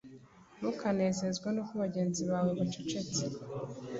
Ntukanezezwe nuko bagenzi bawe bacecetse